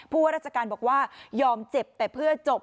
ว่าราชการบอกว่ายอมเจ็บแต่เพื่อจบ